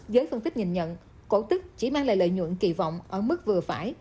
giới phân tích nhìn nhận cổ tức chỉ mang lại lợi nhuận kỳ vọng ở mức vừa phải